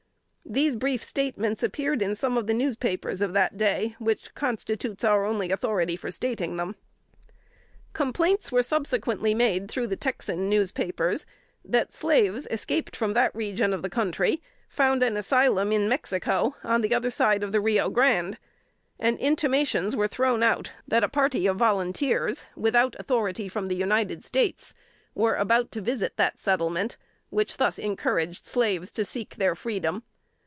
These brief statements appeared in some of the newspapers of that day, which constitutes our only authority for stating them. [Sidenote: 1853.] Complaints were subsequently made through the Texan newspapers, that slaves escaped from that region of country and found an asylum in Mexico, on the other side of the Rio Grande; and intimations were thrown out that a party of volunteers, without authority from the United States, were about to visit the settlement, which thus encouraged slaves to seek their freedom.